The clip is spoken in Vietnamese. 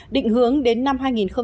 định hướng đến năm hai nghìn hai mươi năm